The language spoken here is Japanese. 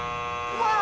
わあ！